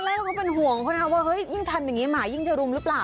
แรกเขาก็เป็นห่วงเขานะว่าเฮ้ยยิ่งทำอย่างนี้หมายิ่งจะรุมหรือเปล่า